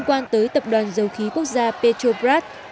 an tới tập đoàn dầu khí quốc gia petrobras